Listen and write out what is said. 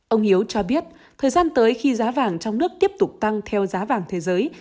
ông hiếu cho biết thời gian tới khi giá vàng trong nước tiếp tục tăng theo giá vàng thế giới